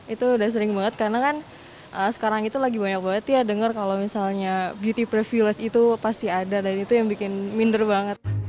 itu udah sering banget karena kan sekarang itu lagi banyak banget ya denger kalau misalnya beauty privilege itu pasti ada dan itu yang bikin minder banget